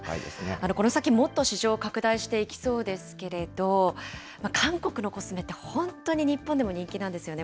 この先、もっと市場を拡大していきそうですけれども、韓国のコスメって本当に日本でも人気なんですよね。